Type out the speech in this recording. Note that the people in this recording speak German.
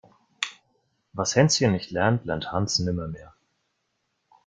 Was Hänschen nicht lernt, lernt Hans nimmermehr.